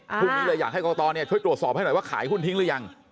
พรุ่งนี้เลยอยากให้กรกตช่วยตรวจสอบให้หน่อยว่าขายหุ้นทิ้งหรือยัง